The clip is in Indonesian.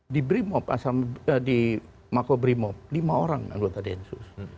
di brimob di mako brimob lima orang anggota densus